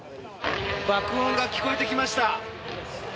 爆音が聞こえてきました。